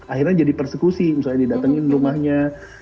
akhirnya jadi persekusi misalnya didatengin rumahnya